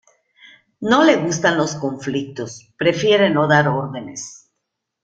No le gustan los conflictos prefiere no dar órdenes.